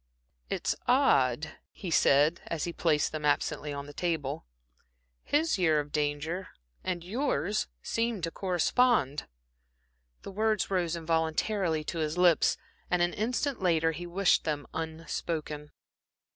"It's odd," he said, as he placed them absently on the table, "his year of danger and yours seem to correspond." The words rose involuntarily to his lips, and an instant later he wished them unspoken.